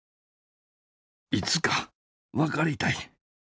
いつか分かりたい。